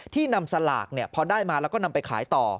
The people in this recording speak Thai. นำสลากพอได้มาแล้วก็นำไปขายต่อ